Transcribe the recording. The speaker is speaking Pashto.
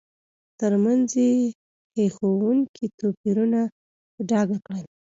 ترمنځ یې هیښوونکي توپیرونه په ډاګه کړل.